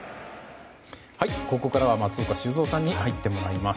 ここからは松岡修造さんに入っていただきます。